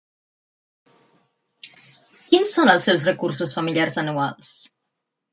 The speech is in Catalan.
Quins són els seus recursos familiars anuals?